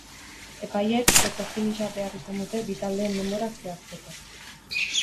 Epaileek foto-finisha behar izan dute bi taldeen denborak zehazteko.